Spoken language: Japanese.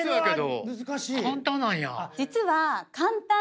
実は。